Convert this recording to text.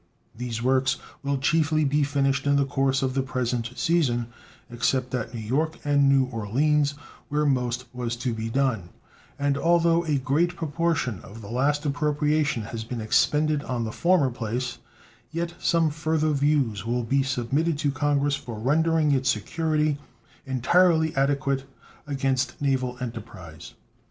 These works will chiefly be finished in the course of the present season, except at New York and New Orleans, where most was to be done; and although a great proportion of the last appropriation has been expended on the former place, yet some further views will be submitted to Congress for rendering its security entirely adequate against naval enterprise.